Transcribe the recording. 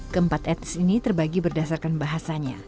keempat etnis ini terbagi berdasarkan bahasanya